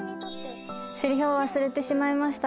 「セリフを忘れてしまいましたが」